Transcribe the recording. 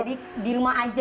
jadi di rumah aja